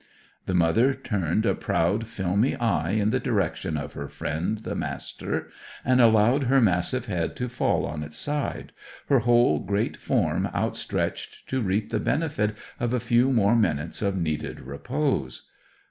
The mother turned a proud, filmy eye in the direction of her friend, the Master, and allowed her massive head to fall on its side, her whole great form outstretched to reap the benefit of a few more minutes of needed repose.